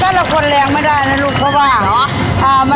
แต่ละคนแรงไม่ได้นะรูปเพราะว่า